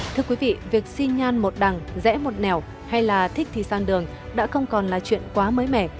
thưa quý vị việc xi nhan một đằng rẽ một nẻo hay là thích thì sang đường đã không còn là chuyện quá mới mẻ